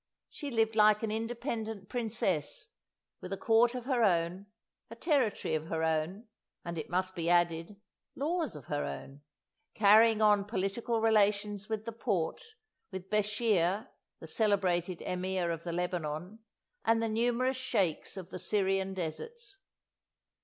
She lived like an independent princess, with a court of her own, a territory of her own, and it must be added, laws of her own; carrying on political relations with the Porte, with Beschir the celebrated Emir of the Lebanon, and the numerous sheikhs of the Syrian deserts.